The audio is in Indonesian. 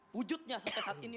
wujudnya sampai saat ini